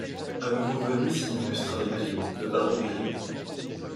Un nouveau venu s'y illustre avec brio, le baron Grimm.